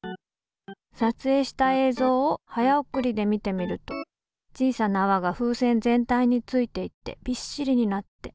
さつえいした映像を早送りで見てみると小さなあわが風船全体についていってびっしりになって。